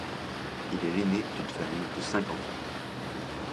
Il est l'ainé d'une famille de cinq enfants.